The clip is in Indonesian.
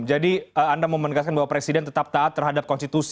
jadi anda memandangkankan bahwa presiden tetap taat terhadap konsisten